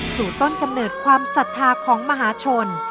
ต้นกำเนิดความศรัทธาของมหาชน